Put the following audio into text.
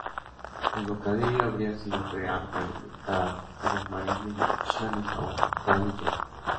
El bocadillo habría sido creado para alimentar a los marines del Charlestown Navy Yard.